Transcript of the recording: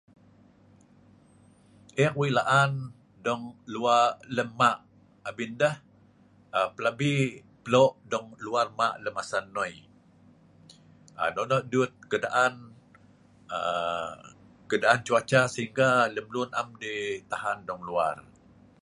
ek weik la'an dong luar lem ma' abin deh aa pelabi plok dong luar ma' lem masa noi aa nonoh dut keadaan aa keadaan cuaca sehingga lem lun am deh tahan dong luar